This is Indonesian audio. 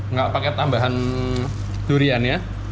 nggak pakai tambahan durian ya